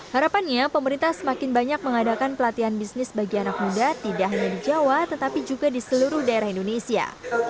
harapannya pemerintah semakin banyak mengadakan pelatihan bisnis bagi anak muda tidak hanya di jawa tetapi juga di seluruh daerah indonesia